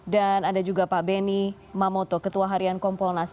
dan ada juga pak benny mamoto ketua harian kompolnas